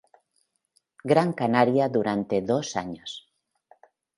Gran Canaria durante dos años.